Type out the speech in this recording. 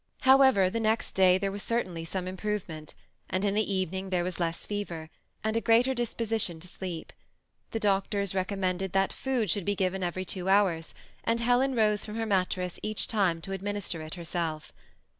However, the next daj there was certainlj some im provement; and in the evening there was less fever, THE SE3M[I ATTACHED COUPLE. 315 and a greater disposition to sleep. The doctors recom mended that food should be given every two hours, and Helen rose from her mattress each time to administer it herself.